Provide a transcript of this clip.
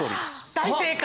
大正解。